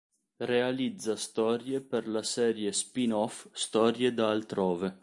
Realizza storie per la serie spin-off Storie da Altrove.